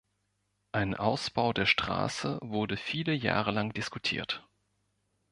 Ein Ausbau der Straße wurde viele Jahre lang diskutiert.